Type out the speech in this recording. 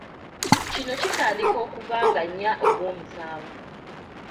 Kino kitandika okuva nga nnya Ogwomusanvu.